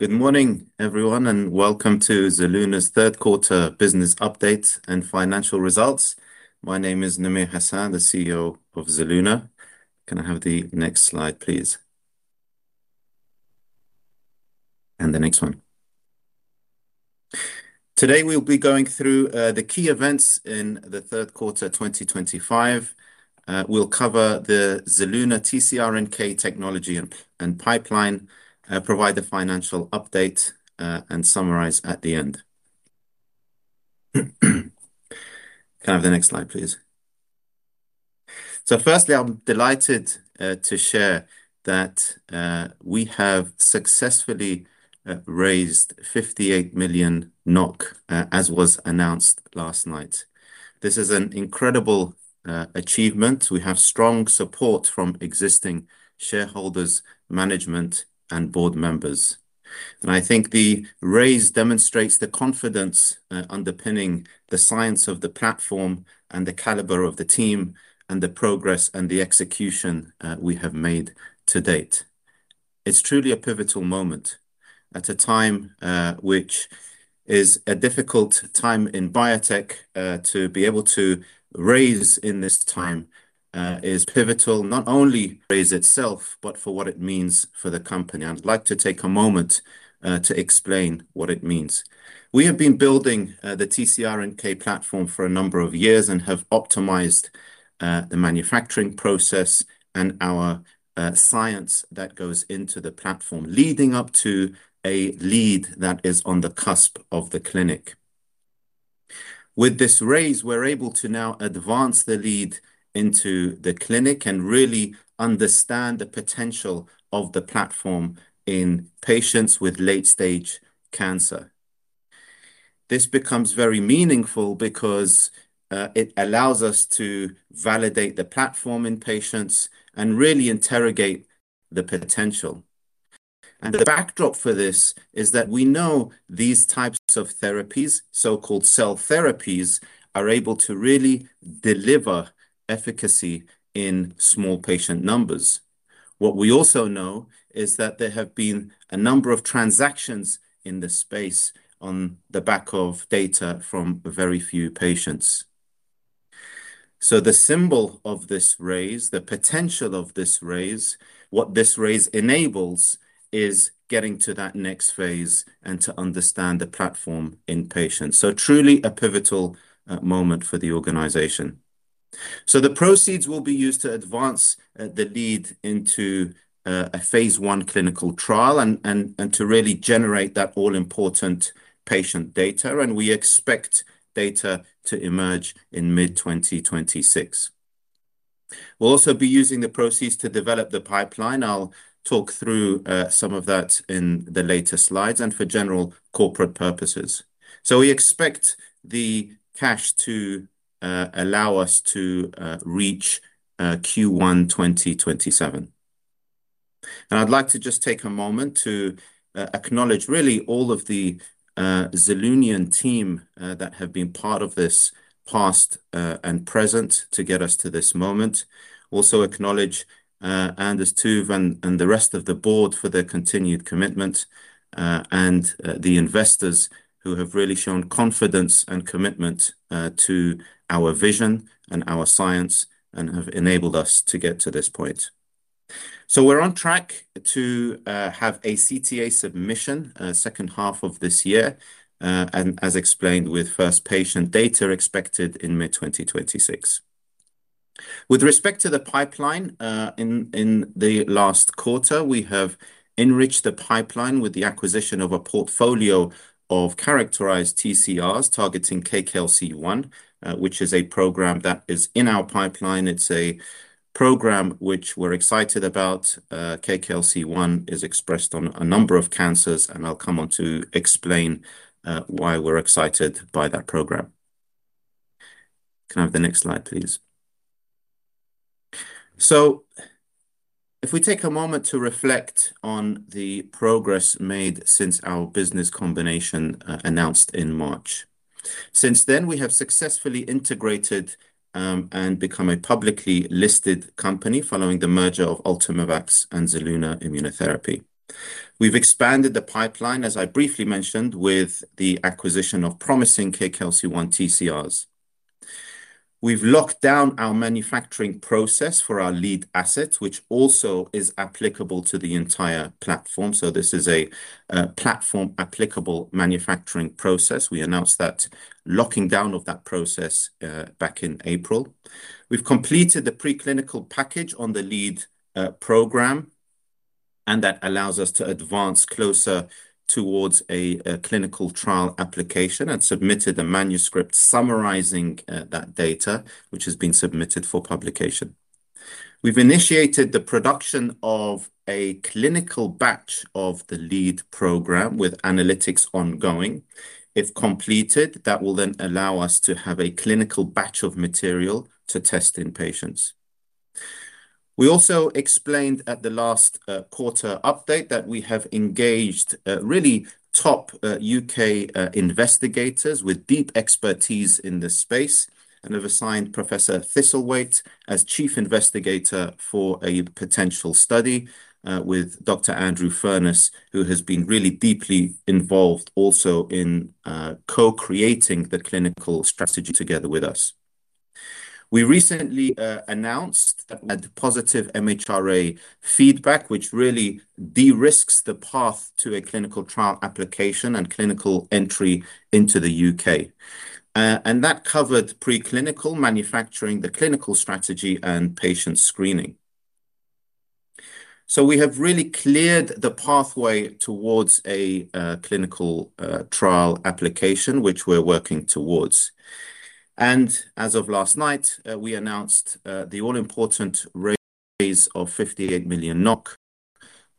Good morning, everyone, and welcome to Zelluna's third quarter business updates and financial results. My name is Namir Hassan, the CEO of Zelluna. Can I have the next slide, please? And the next one. Today we'll be going through the key events in the third quarter 2025. We'll cover the Zelluna TCR-NK technology and pipeline, provide the financial update, and summarize at the end. Can I have the next slide, please? Firstly, I'm delighted to share that we have successfully raised 58 million NOK, as was announced last night. This is an incredible achievement. We have strong support from existing shareholders, management, and board members. I think the raise demonstrates the confidence underpinning the science of the platform and the caliber of the team and the progress and the execution we have made to date. It is truly a pivotal moment. At a time which is a difficult time in biotech, to be able to raise in this time is pivotal, not only for the raise itself, but for what it means for the company. I'd like to take a moment to explain what it means. We have been building the TCR-NK platform for a number of years and have optimized the manufacturing process and our science that goes into the platform, leading up to a lead that is on the cusp of the clinic. With this raise, we're able to now advance the lead into the clinic and really understand the potential of the platform in patients with late-stage cancer. This becomes very meaningful because it allows us to validate the platform in patients and really interrogate the potential. The backdrop for this is that we know these types of therapies, so-called cell therapies, are able to really deliver efficacy in small patient numbers. What we also know is that there have been a number of transactions in the space on the back of data from very few patients. The symbol of this raise, the potential of this raise, what this raise enables is getting to that next phase and to understand the platform in patients. Truly a pivotal moment for the organization. The proceeds will be used to advance the lead into a phase 1 clinical trial and to really generate that all-important patient data. We expect data to emerge in mid-2026. We'll also be using the proceeds to develop the pipeline. I'll talk through some of that in the later slides and for general corporate purposes. We expect the cash to allow us to reach Q1 2027. I'd like to just take a moment to acknowledge really all of the Zellunian team that have been part of this, past and present, to get us to this moment. Also acknowledge Anders Tove and the rest of the board for their continued commitment, and the investors who have really shown confidence and commitment to our vision and our science and have enabled us to get to this point. We're on track to have a CTA submission second half of this year. As explained, with first patient data expected in mid-2026. With respect to the pipeline, in the last quarter, we have enriched the pipeline with the acquisition of a portfolio of characterized TCRs targeting KKLC1, which is a program that is in our pipeline. It's a program which we're excited about. KKLC1 is expressed on a number of cancers, and I'll come on to explain why we're excited by that program. Can I have the next slide, please? If we take a moment to reflect on the progress made since our business combination announced in March. Since then, we have successfully integrated and become a publicly listed company following the merger of Ultimovacs ASA and Zelluna ASA. We've expanded the pipeline, as I briefly mentioned, with the acquisition of promising KKLC1 TCRs. We've locked down our manufacturing process for our lead assets, which also is applicable to the entire platform. This is a platform-applicable manufacturing process. We announced that locking down of that process back in April. We've completed the preclinical package on the lead program, and that allows us to advance closer towards a clinical trial application and submitted a manuscript summarizing that data, which has been submitted for publication. We've initiated the production of a clinical batch of the lead program with analytics ongoing. If completed, that will then allow us to have a clinical batch of material to test in patients. We also explained at the last quarter update that we have engaged really top U.K. investigators with deep expertise in the space and have assigned Professor Thistlewaite as Chief Investigator for a potential study with Dr. Andrew Furness, who has been really deeply involved also in co-creating the clinical strategy together with us. We recently announced that we had positive MHRA feedback, which really de-risked the path to a clinical trial application and clinical entry into the U.K. That covered preclinical, manufacturing, the clinical strategy, and patient screening. We have really cleared the pathway towards a clinical trial application, which we're working towards. As of last night, we announced the all-important raise of 58 million NOK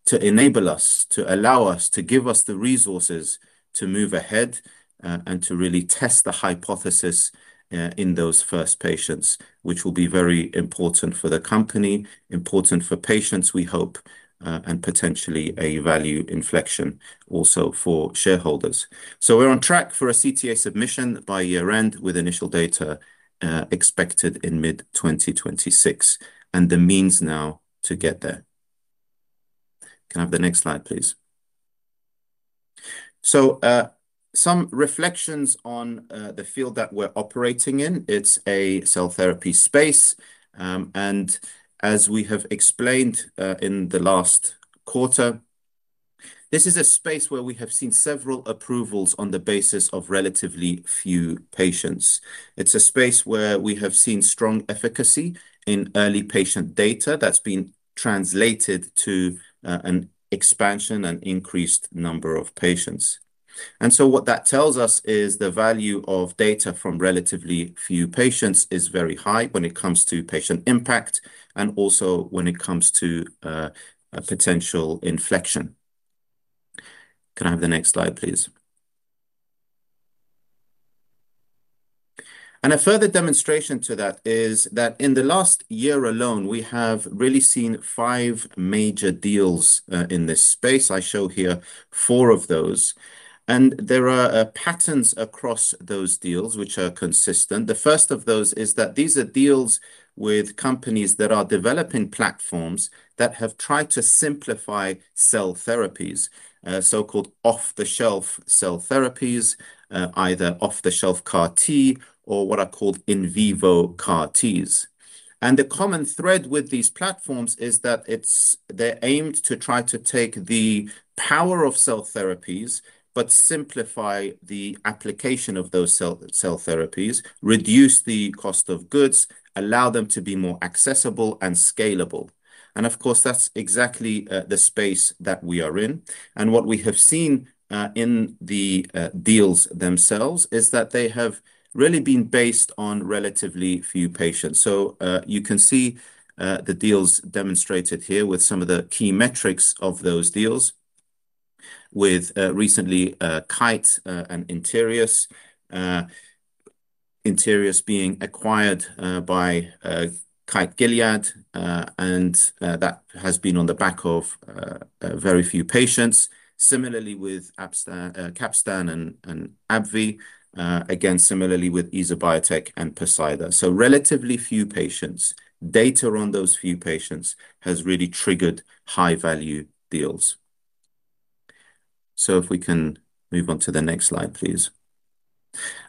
to enable us, to allow us, to give us the resources to move ahead and to really test the hypothesis in those first patients, which will be very important for the company, important for patients, we hope, and potentially a value inflection also for shareholders. We're on track for a CTA submission by year-end with initial data expected in mid-2026 and the means now to get there. Can I have the next slide, please? Some reflections on the field that we're operating in. It's a cell therapy space. As we have explained in the last quarter, this is a space where we have seen several approvals on the basis of relatively few patients. It's a space where we have seen strong efficacy in early patient data that's been translated to an expansion and increased number of patients. What that tells us is the value of data from relatively few patients is very high when it comes to patient impact and also when it comes to potential inflection. Can I have the next slide, please? A further demonstration to that is that in the last year alone, we have really seen five major deals in this space. I show here four of those. There are patterns across those deals which are consistent. The first of those is that these are deals with companies that are developing platforms that have tried to simplify cell therapies, so-called off-the-shelf cell therapies, either off-the-shelf CAR-T or what are called in vivo CAR-Ts. The common thread with these platforms is that they're aimed to try to take the power of cell therapies but simplify the application of those cell therapies, reduce the cost of goods, allow them to be more accessible and scalable. Of course, that's exactly the space that we are in. What we have seen in the deals themselves is that they have really been based on relatively few patients. You can see the deals demonstrated here with some of the key metrics of those deals, with recently Kite and Interius, Interius being acquired by Kite Gilead, and that has been on the back of very few patients. Similarly with Capstan and AbbVie, again, similarly with EtherBiotech and Poseidon. So relatively few patients. Data on those few patients has really triggered high-value deals. If we can move on to the next slide, please.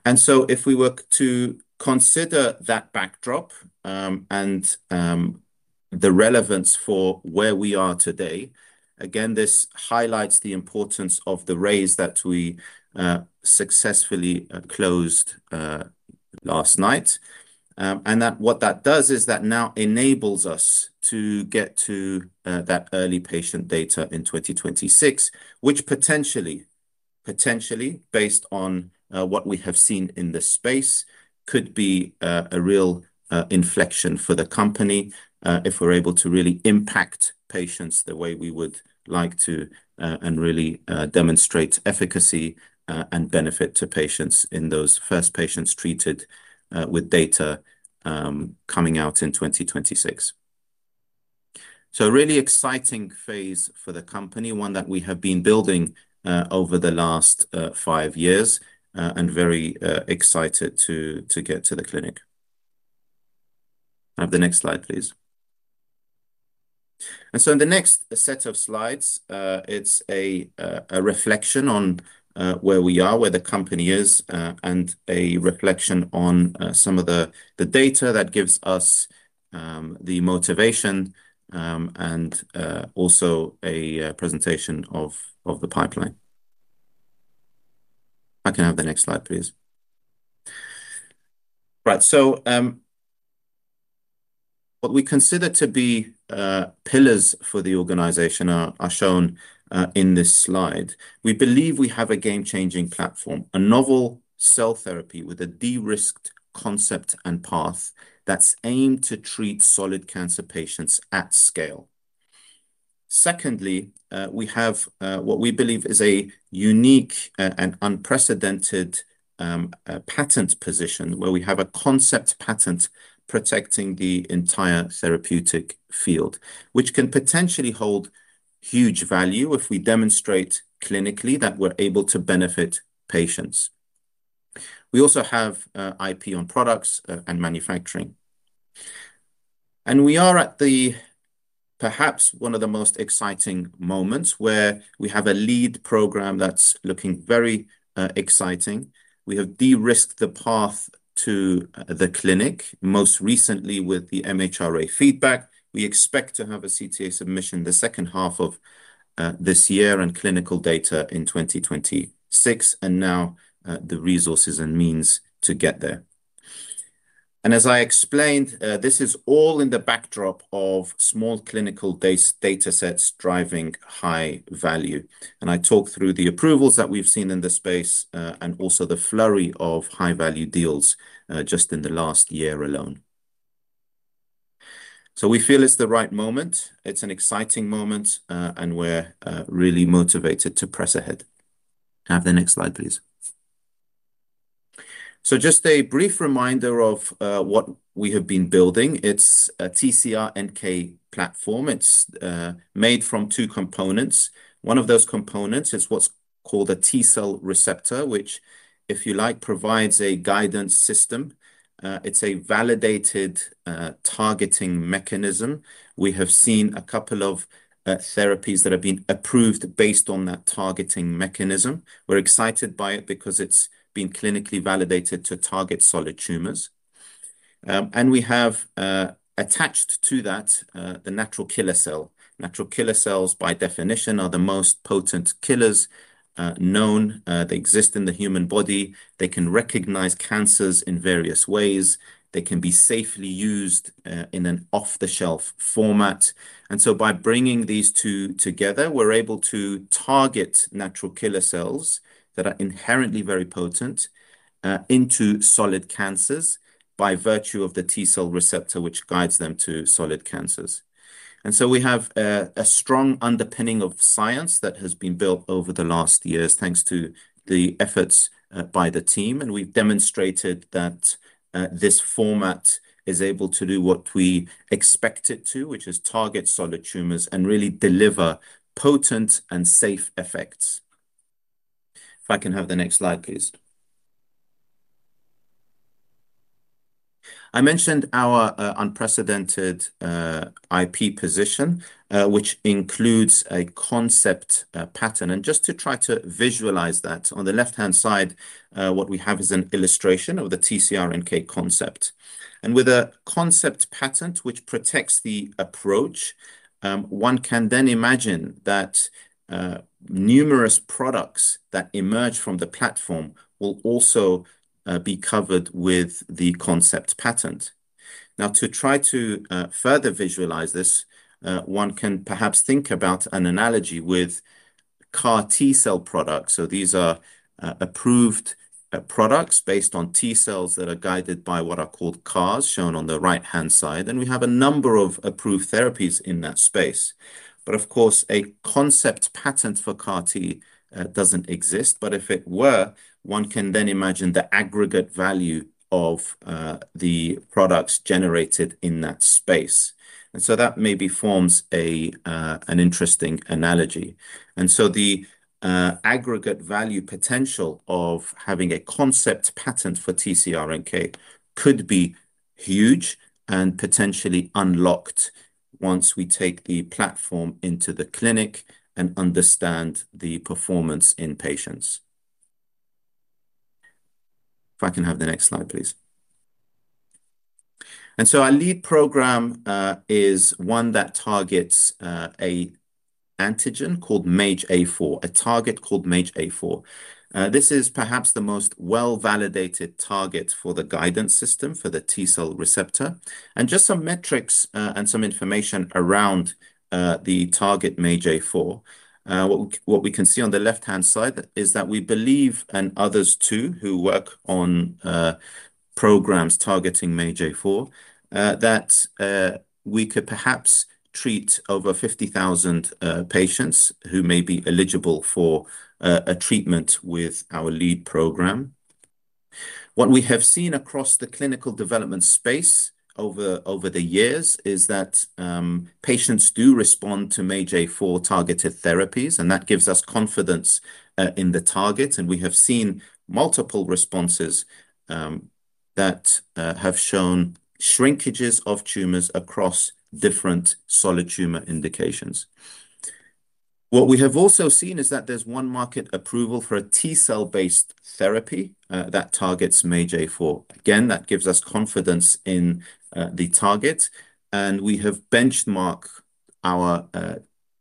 If we were to consider that backdrop and the relevance for where we are today, again, this highlights the importance of the raise that we successfully closed last night. What that does is that now enables us to get to that early patient data in 2026, which potentially, potentially based on what we have seen in the space, could be a real inflection for the company if we're able to really impact patients the way we would like to and really demonstrate efficacy and benefit to patients in those first patients treated with data coming out in 2026. A really exciting phase for the company, one that we have been building over the last five years and very excited to get to the clinic. I have the next slide, please. In the next set of slides, it's a reflection on where we are, where the company is, and a reflection on some of the data that gives us the motivation, and also a presentation of the pipeline. I can have the next slide, please. Right. What we consider to be pillars for the organization are shown in this slide. We believe we have a game-changing platform, a novel cell therapy with a de-risked concept and path that's aimed to treat solid cancer patients at scale. Secondly, we have what we believe is a unique and unprecedented patent position where we have a concept patent protecting the entire therapeutic field, which can potentially hold huge value if we demonstrate clinically that we're able to benefit patients. We also have IP on products and manufacturing. We are at perhaps one of the most exciting moments where we have a lead program that's looking very exciting. We have de-risked the path to the clinic, most recently with the MHRA feedback. We expect to have a CTA submission the second half of this year and clinical data in 2026, and now the resources and means to get there. As I explained, this is all in the backdrop of small clinical data sets driving high value. I talk through the approvals that we've seen in the space and also the flurry of high-value deals just in the last year alone. We feel it's the right moment. It's an exciting moment, and we're really motivated to press ahead. I have the next slide, please. Just a brief reminder of what we have been building. It's a TCR-NK platform. It's made from two components. One of those components is what's called a T cell receptor, which, if you like, provides a guidance system. It's a validated targeting mechanism. We have seen a couple of therapies that have been approved based on that targeting mechanism. We're excited by it because it's been clinically validated to target solid tumors. We have attached to that the natural killer cell. Natural killer cells, by definition, are the most potent killers known. They exist in the human body. They can recognize cancers in various ways. They can be safely used in an off-the-shelf format. By bringing these two together, we're able to target natural killer cells that are inherently very potent into solid cancers by virtue of the T cell receptor, which guides them to solid cancers. We have a strong underpinning of science that has been built over the last years, thanks to the efforts by the team. We've demonstrated that this format is able to do what we expect it to, which is target solid tumors and really deliver potent and safe effects. If I can have the next slide, please. I mentioned our unprecedented IP position, which includes a concept patent. Just to try to visualize that, on the left-hand side, what we have is an illustration of the TCR-NK concept. With a concept patent which protects the approach, one can then imagine that numerous products that emerge from the platform will also be covered with the concept patent. To try to further visualize this, one can perhaps think about an analogy with CAR-T cell products. These are. Approved products based on T cells that are guided by what are called CARs, shown on the right-hand side. We have a number of approved therapies in that space. Of course, a concept patent for CAR-T does not exist. If it were, one can then imagine the aggregate value of the products generated in that space. That maybe forms an interesting analogy. The aggregate value potential of having a concept patent for TCR-NK could be huge and potentially unlocked once we take the platform into the clinic and understand the performance in patients. If I can have the next slide, please. Our lead program is one that targets an antigen called MAGE-A4, a target called MAGE-A4. This is perhaps the most well-validated target for the guidance system for the T cell receptor. Just some metrics and some information around the target MAGE-A4. What we can see on the left-hand side is that we believe, and others too who work on programs targeting MAGE-A4, that we could perhaps treat over 50,000 patients who may be eligible for a treatment with our lead program. What we have seen across the clinical development space over the years is that patients do respond to MAGE-A4 targeted therapies, and that gives us confidence in the target. We have seen multiple responses that have shown shrinkages of tumors across different solid tumor indications. What we have also seen is that there is one market approval for a T cell-based therapy that targets MAGE-A4. Again, that gives us confidence in the target. We have benchmarked our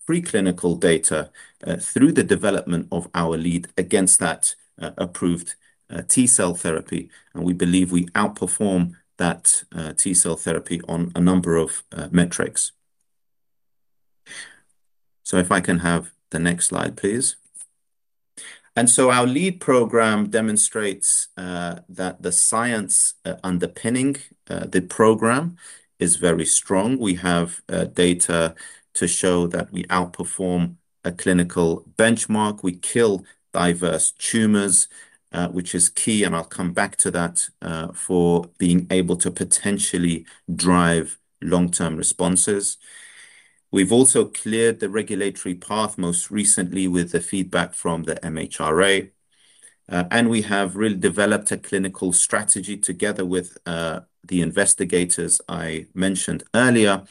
preclinical data through the development of our lead against that approved T cell therapy. We believe we outperform that T cell therapy on a number of metrics. If I can have the next slide, please. Our lead program demonstrates that the science underpinning the program is very strong. We have data to show that we outperform a clinical benchmark. We kill diverse tumors, which is key, and I will come back to that for being able to potentially drive long-term responses. We have also cleared the regulatory path most recently with the feedback from the MHRA. We have really developed a clinical strategy together with the investigators I mentioned earlier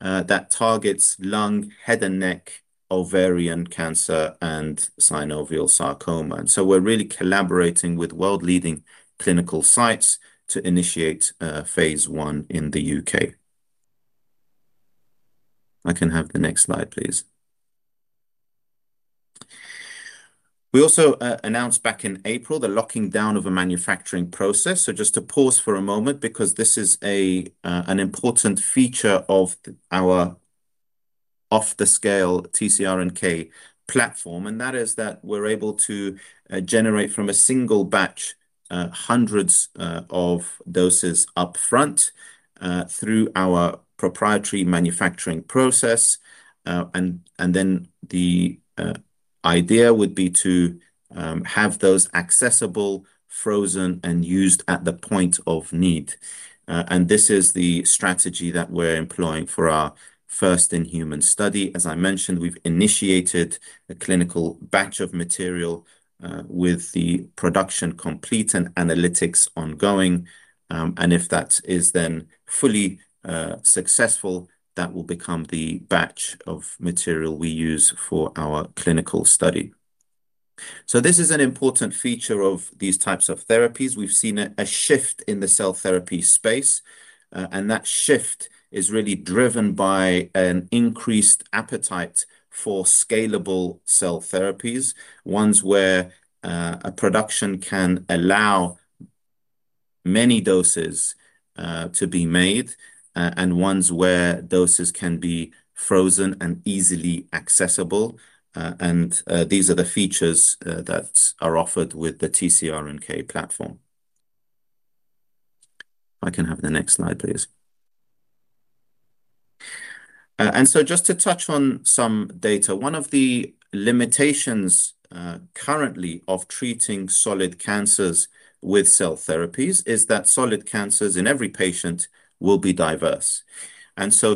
that targets lung, head and neck, ovarian cancer, and synovial sarcoma. We are really collaborating with world-leading clinical sites to initiate phase I in the U.K. I can have the next slide, please. We also announced back in April the locking down of a manufacturing process. Just to pause for a moment because this is an important feature of our off-the-shelf TCR-NK platform. That is that we are able to generate from a single batch hundreds of doses upfront through our proprietary manufacturing process. The idea would be to have those accessible, frozen, and used at the point of need. This is the strategy that we're employing for our first in-human study. As I mentioned, we've initiated a clinical batch of material with the production complete and analytics ongoing. If that is then fully successful, that will become the batch of material we use for our clinical study. This is an important feature of these types of therapies. We've seen a shift in the cell therapy space. That shift is really driven by an increased appetite for scalable cell therapies, ones where a production can allow many doses to be made and ones where doses can be frozen and easily accessible. These are the features that are offered with the TCR-NK platform. I can have the next slide, please. Just to touch on some data, one of the limitations currently of treating solid cancers with cell therapies is that solid cancers in every patient will be diverse.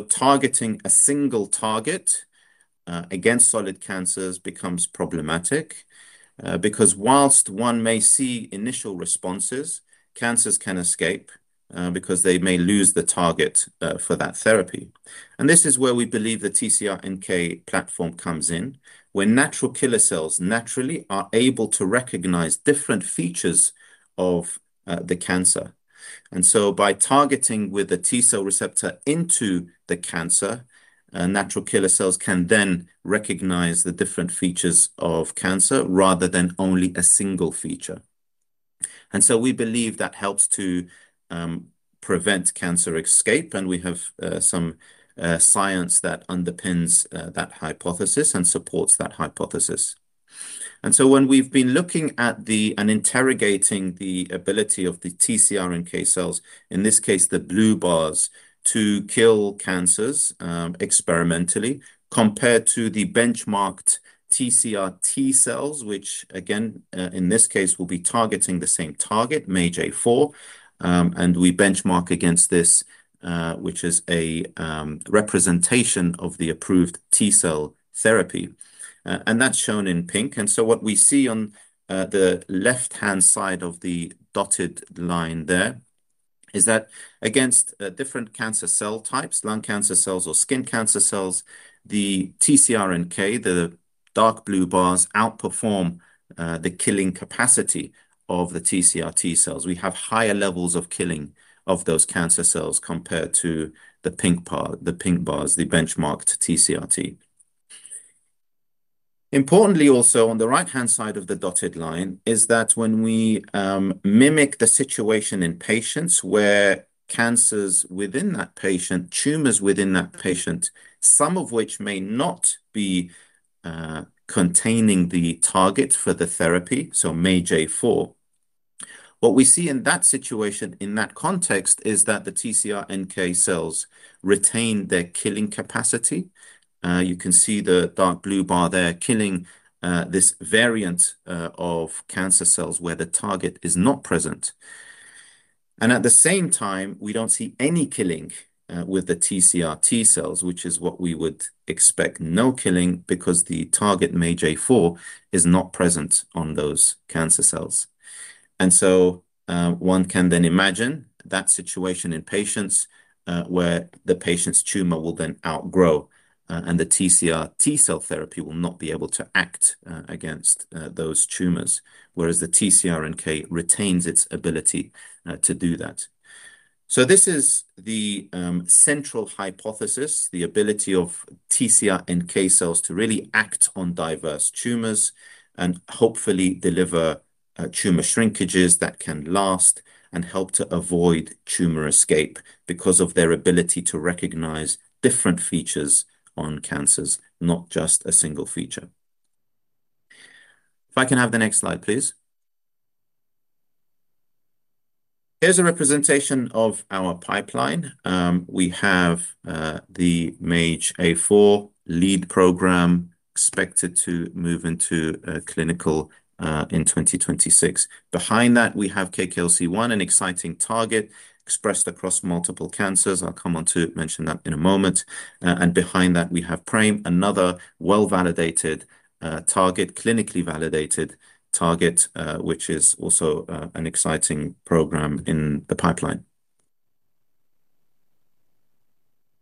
Targeting a single target against solid cancers becomes problematic because whilst one may see initial responses, cancers can escape because they may lose the target for that therapy. This is where we believe the TCR-NK platform comes in, where natural killer cells naturally are able to recognize different features of the cancer. By targeting with a T cell receptor into the cancer, natural killer cells can then recognize the different features of cancer rather than only a single feature. We believe that helps to prevent cancer escape. We have some science that underpins that hypothesis and supports that hypothesis. When we've been looking at and interrogating the ability of the TCR-NK cells, in this case, the blue bars, to kill cancers experimentally compared to the benchmarked TCR-T cells, which, again, in this case, will be targeting the same target, MAGE-A4, we benchmark against this, which is a representation of the approved T cell therapy, and that's shown in pink. What we see on the left-hand side of the dotted line there is that against different cancer cell types, lung cancer cells or skin cancer cells, the TCR-NK, the dark blue bars, outperform the killing capacity of the TCR-T cells. We have higher levels of killing of those cancer cells compared to the pink bars, the benchmarked TCR-T. Importantly, also, on the right-hand side of the dotted line is that when we mimic the situation in patients where cancers within that patient, tumors within that patient, some of which may not be containing the target for the therapy, so MAGE-A4, what we see in that situation, in that context, is that the TCR-NK cells retain their killing capacity. You can see the dark blue bar there killing this variant of cancer cells where the target is not present. At the same time, we do not see any killing with the TCR T cells, which is what we would expect, no killing, because the target MAGE-A4 is not present on those cancer cells. One can then imagine that situation in patients where the patient's tumor will then outgrow, and the TCR T cell therapy will not be able to act against those tumors, whereas the TCR-NK retains its ability to do that. This is the central hypothesis, the ability of TCR-NK cells to really act on diverse tumors and hopefully deliver tumor shrinkages that can last and help to avoid tumor escape because of their ability to recognize different features on cancers, not just a single feature. If I can have the next slide, please. Here is a representation of our pipeline. We have the MAGE-A4 lead program expected to move into clinical in 2026. Behind that, we have KKLC1, an exciting target expressed across multiple cancers. I will come on to mention that in a moment. Behind that, we have PRAME, another well-validated target, clinically validated target, which is also an exciting program in the pipeline.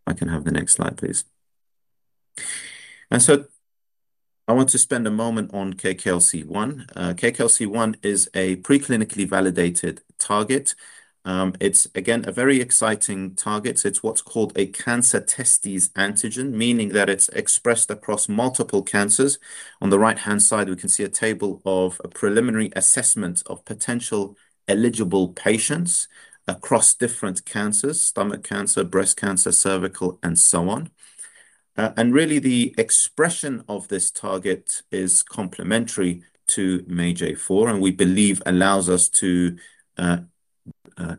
I can have the next slide, please. I want to spend a moment on KKLC1. KKLC1 is a preclinically validated target. It is, again, a very exciting target. It is what is called a cancer-testis antigen, meaning that it is expressed across multiple cancers. On the right-hand side, we can see a table of a preliminary assessment of potential eligible patients across different cancers: stomach cancer, breast cancer, cervical, and so on. The expression of this target is complementary to MAGE-A4, and we believe allows us to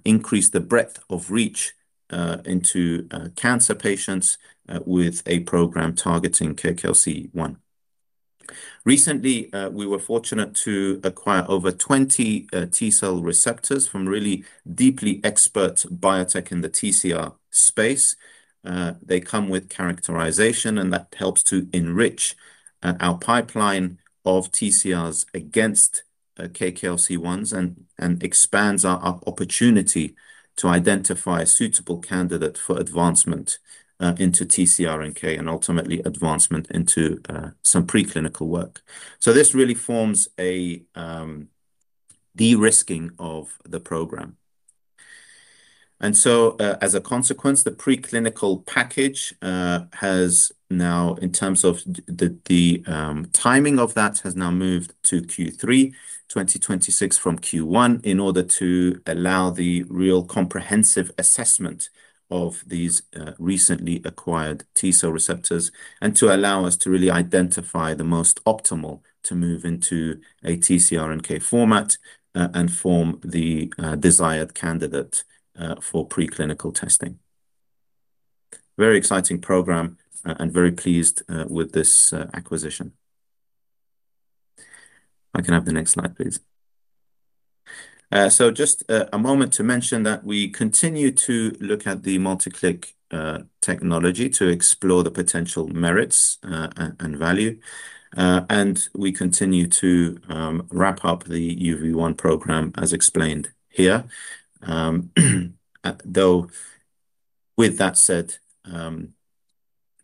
increase the breadth of reach into cancer patients with a program targeting KKLC1. Recently, we were fortunate to acquire over 20 T cell receptors from really deeply expert biotech in the TCR space. They come with characterization, and that helps to enrich our pipeline of TCRs against KKLC1 and expands our opportunity to identify a suitable candidate for advancement into TCR-NK and ultimately advancement into some preclinical work. This really forms a de-risking of the program. As a consequence, the preclinical package has now, in terms of the timing of that, moved to Q3 2026 from Q1 in order to allow the real comprehensive assessment of these recently acquired T cell receptors and to allow us to really identify the most optimal to move into a TCR-NK format and form the desired candidate for preclinical testing. Very exciting program and very pleased with this acquisition. I can have the next slide, please. Just a moment to mention that we continue to look at the multi-click technology to explore the potential merits and value. We continue to wrap up the UV1 program, as explained here. With that said,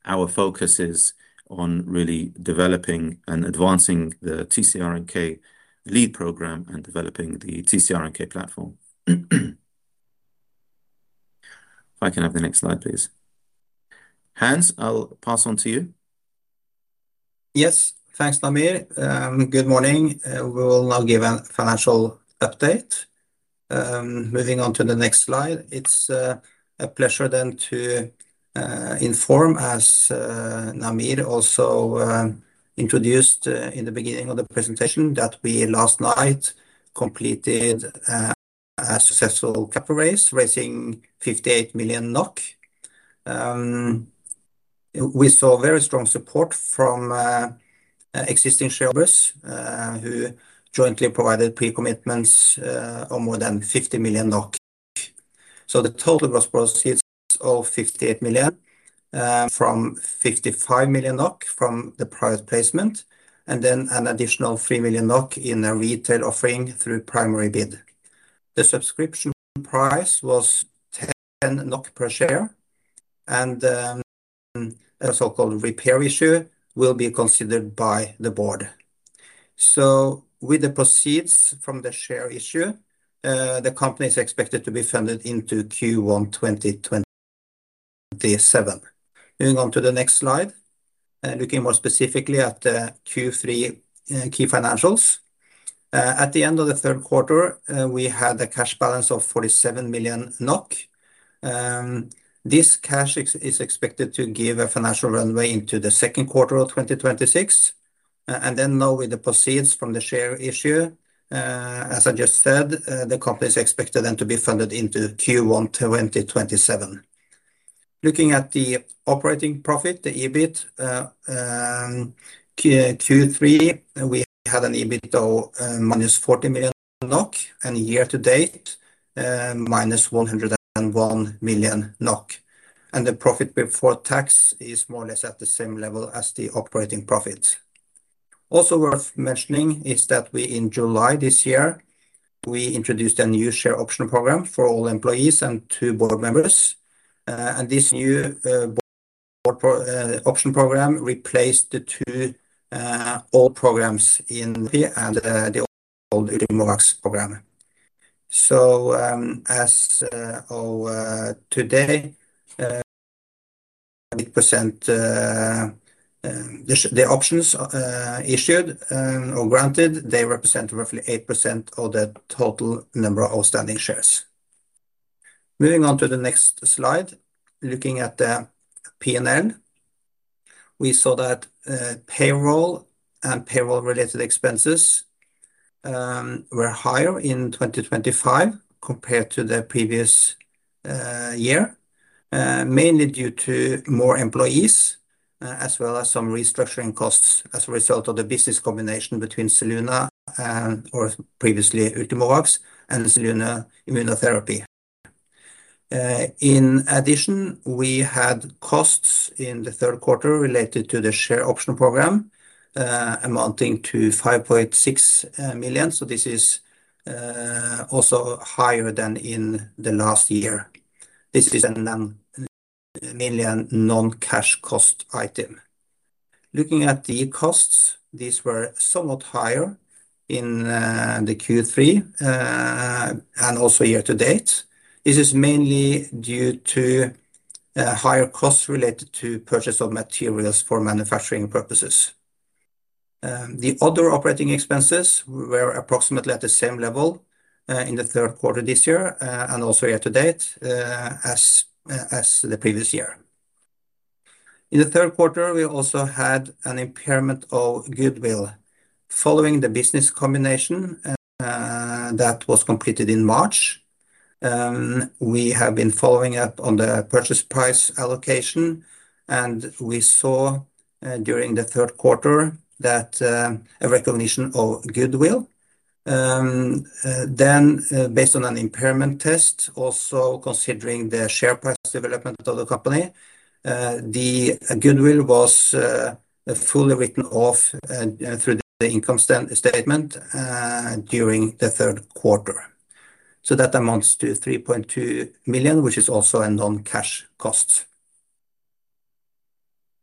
our focus is on really developing and advancing the TCR-NK lead program and developing the TCR-NK platform. If I can have the next slide, please. Hans, I'll pass on to you. Yes, thanks, Namir. Good morning. We will now give a financial update. Moving on to the next slide, it's a pleasure then to inform, as Namir also introduced in the beginning of the presentation, that we last night completed a successful capital raise raising 58 million NOK. We saw very strong support from existing shareholders who jointly provided pre-commitments of more than 50 million NOK. The total gross profit is 58 million from 55 million NOK from the prior placement, and then an additional 3 million NOK in a retail offering through primary bid. The subscription price was 10 NOK per share, and a so-called repair issue will be considered by the board. With the proceeds from the share issue, the company is expected to be funded into Q1 2027. Moving on to the next slide, looking more specifically at the Q3 key financials. At the end of the third quarter, we had a cash balance of 47 million NOK. This cash is expected to give a financial runway into the second quarter of 2026. Now, with the proceeds from the share issue, as I just said, the company is expected then to be funded into Q1 2027. Looking at the operating profit, the EBIT, Q3, we had an EBIT of minus 40 million NOK, and year to date, minus 101 million NOK. The profit before tax is more or less at the same level as the operating profit. Also worth mentioning is that in July this year, we introduced a new share option program for all employees and two board members. This new option program replaced the two old programs and the old EURIMAX program. As of today, the options issued or granted, they represent roughly 8% of the total number of outstanding shares. Moving on to the next slide, looking at the P&L. We saw that payroll and payroll-related expenses were higher in 2025 compared to the previous year, mainly due to more employees as well as some restructuring costs as a result of the business combination between our previously ULTIMAX and Zelluna Immunotherapy. In addition, we had costs in the third quarter related to the share option program amounting to 5.6 million. This is also higher than in the last year. This is a NOK 5.6 million non-cash cost item. Looking at the costs, these were somewhat higher in Q3 and also year to date. This is mainly due to higher costs related to purchase of materials for manufacturing purposes. The other operating expenses were approximately at the same level in the third quarter this year and also year to date as the previous year. In the third quarter, we also had an impairment of goodwill. Following the business combination that was completed in March, we have been following up on the purchase price allocation, and we saw during the third quarter that. A recognition of goodwill. Then, based on an impairment test, also considering the share price development of the company. The goodwill was fully written off through the income statement during the third quarter. That amounts to 3.2 million, which is also a non-cash cost.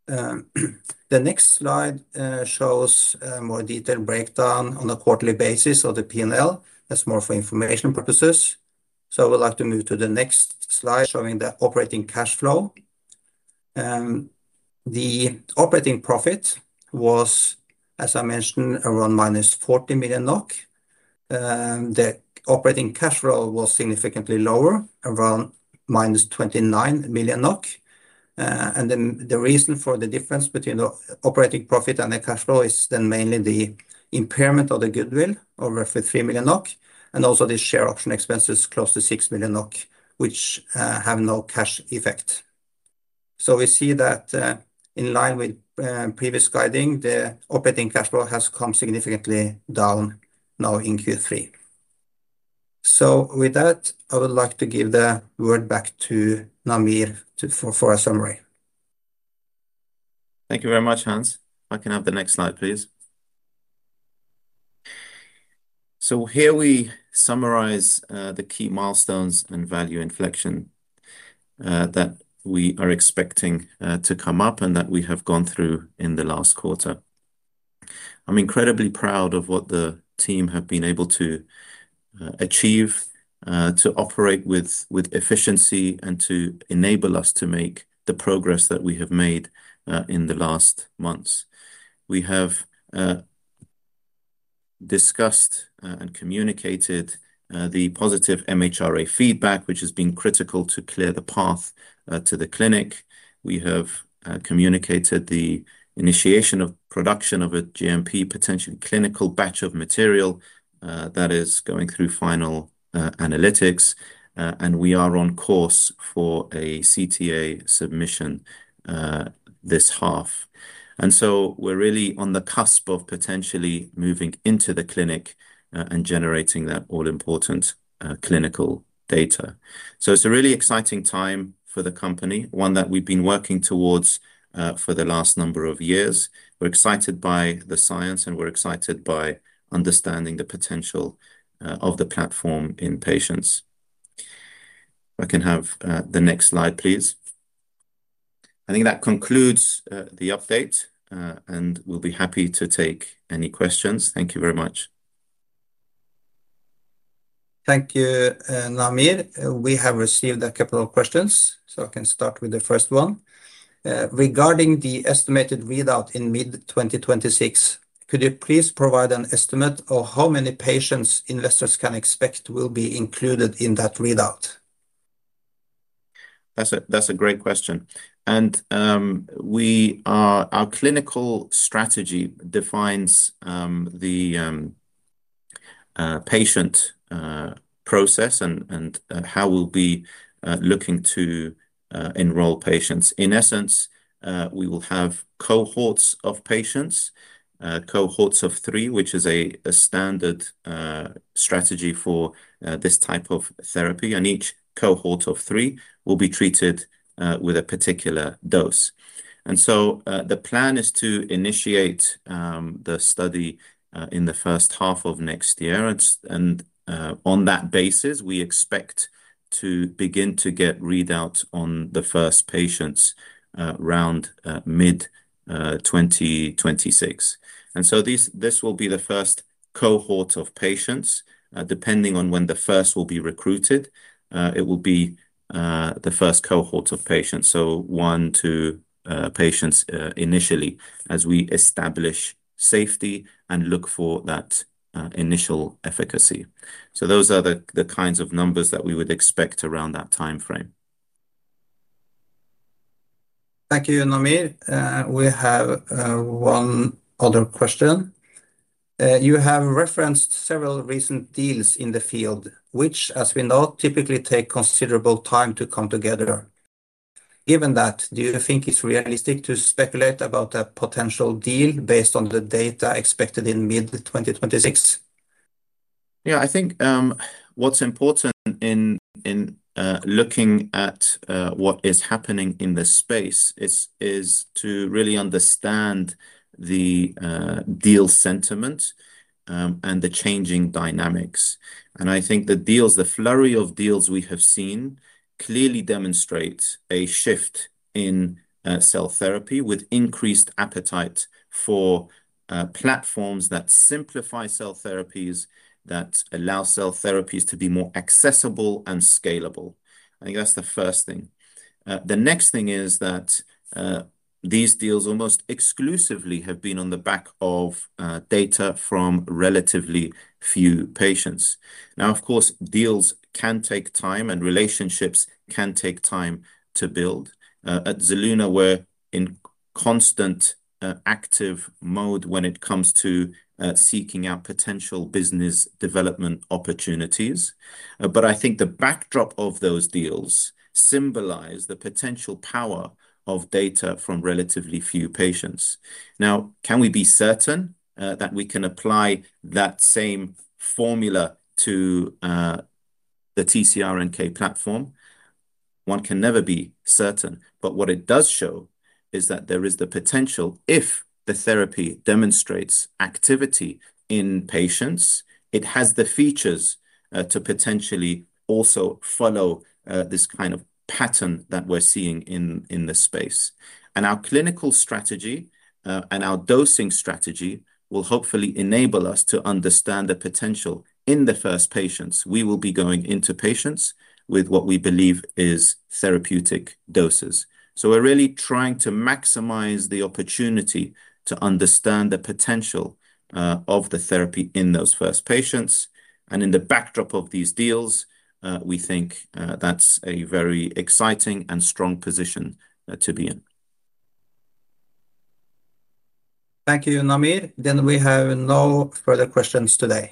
The next slide shows a more detailed breakdown on a quarterly basis of the P&L. That is more for information purposes. I would like to move to the next slide showing the operating cash flow. The operating profit was, as I mentioned, around minus 40 million NOK. The operating cash flow was significantly lower, around minus 29 million NOK. The reason for the difference between the operating profit and the cash flow is then mainly the impairment of the goodwill of roughly 3 million NOK and also the share option expenses close to 6 million NOK, which have no cash effect. We see that, in line with previous guiding, the operating cash flow has come significantly down now in Q3. With that, I would like to give the word back to Namir for a summary. Thank you very much, Hans. I can have the next slide, please. Here we summarize the key milestones and value inflection that we are expecting to come up and that we have gone through in the last quarter. I am incredibly proud of what the team have been able to achieve to operate with efficiency and to enable us to make the progress that we have made in the last months. We have discussed and communicated the positive MHRA feedback, which has been critical to clear the path to the clinic. We have communicated the initiation of production of a GMP potential clinical batch of material that is going through final analytics, and we are on course for a CTA submission this half. We are really on the cusp of potentially moving into the clinic and generating that all-important clinical data. It is a really exciting time for the company, one that we have been working towards for the last number of years. We are excited by the science, and we are excited by understanding the potential of the platform in patients. I can have the next slide, please. I think that concludes the update, and we will be happy to take any questions. Thank you very much. Thank you, Namir. We have received a couple of questions, so I can start with the first one. Regarding the estimated readout in mid-2026, could you please provide an estimate of how many patients investors can expect will be included in that readout? That is a great question. Our clinical strategy defines the patient process and how we will be looking to enroll patients. In essence, we will have cohorts of patients, cohorts of three, which is a standard strategy for this type of therapy. Each cohort of three will be treated with a particular dose. The plan is to initiate the study in the first half of next year. On that basis, we expect to begin to get readouts on the first patients around mid-2026. This will be the first cohort of patients. Depending on when the first will be recruited, it will be the first cohort of patients, so one to two patients initially as we establish safety and look for that initial efficacy. Those are the kinds of numbers that we would expect around that timeframe. Thank you, Namir. We have one other question. You have referenced several recent deals in the field, which, as we know, typically take considerable time to come together. Given that, do you think it's realistic to speculate about a potential deal based on the data expected in mid-2026? Yeah, I think what's important in looking at what is happening in this space is to really understand the deal sentiment and the changing dynamics. I think the flurry of deals we have seen clearly demonstrates a shift in cell therapy with increased appetite for platforms that simplify cell therapies, that allow cell therapies to be more accessible and scalable. I think that's the first thing. The next thing is that these deals almost exclusively have been on the back of data from relatively few patients. Now, of course, deals can take time and relationships can take time to build. At Zelluna, we're in constant active mode when it comes to seeking out potential business development opportunities. I think the backdrop of those deals symbolizes the potential power of data from relatively few patients. Now, can we be certain that we can apply that same formula to the TCR-NK platform? One can never be certain, but what it does show is that there is the potential if the therapy demonstrates activity in patients, it has the features to potentially also follow this kind of pattern that we're seeing in the space. Our clinical strategy and our dosing strategy will hopefully enable us to understand the potential in the first patients. We will be going into patients with what we believe is therapeutic doses, so we're really trying to maximize the opportunity to understand the potential of the therapy in those first patients. In the backdrop of these deals, we think that's a very exciting and strong position to be in. Thank you, Namir. We have no further questions today.